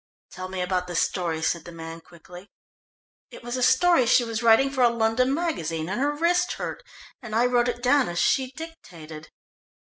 "Tell me about the story," said the man quickly. "It was a story she was writing for a London magazine, and her wrist hurt, and I wrote it down as she dictated.